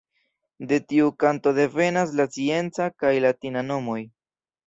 De tiu kanto devenas la scienca kaj latina nomoj.